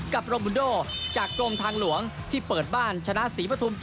โรมูลโดจากกรมทางหลวงที่เปิดบ้านชนะศรีปฐุม๘